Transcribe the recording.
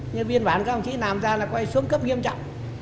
nhưng viên bán các ông chỉ làm ra là quay xuống cấp nghiêm trọng